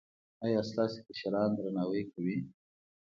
ایا ستاسو کشران درناوی کوي؟